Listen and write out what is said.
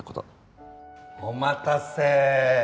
お待たせ！